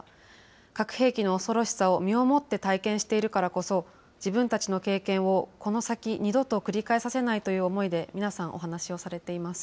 核兵器の恐ろしさを身をもって体験しているからこそ、自分たちの経験をこの先二度と繰り返させないという思いで皆さんお話をされています。